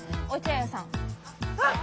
あっ！